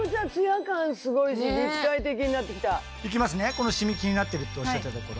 このシミ気になってるっておっしゃったところ。